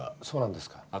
そうなんですか？